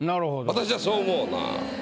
私はそう思うなぁ。